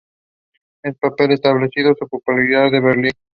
Este papel estableció su popularidad en Berlín.